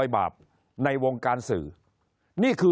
คนในวงการสื่อ๓๐องค์กร